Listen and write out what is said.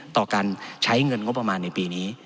ต่อการใช้เงินงบประมาณในปีนี้